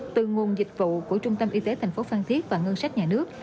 từ nguồn dịch vụ của trung tâm y tế thành phố phan thiết và ngân sách nhà nước